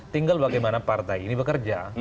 tinggal bagaimana partai ini bekerja